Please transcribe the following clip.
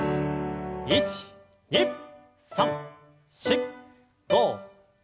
１２３４５６７８。